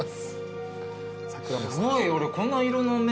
すごい俺こんな色の麺